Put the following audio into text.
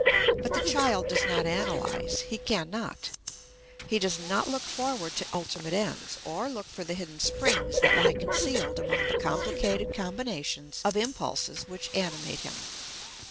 But the child does not analyze. He can not. He does not look forward to ultimate ends, or look for the hidden springs that lie concealed among the complicated combinations of impulses which animate him.